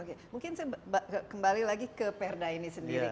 oke mungkin saya kembali lagi ke perda ini sendiri